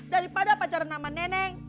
daripada pacaran sama neneng